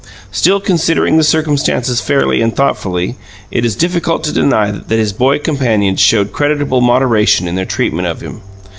Still, considering the circumstances fairly and thoughtfully, it is difficult to deny that his boy companions showed creditable moderation in their treatment of him.